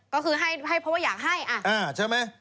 ก็คือให้เพราะว่าอยากให้ใช่ไหม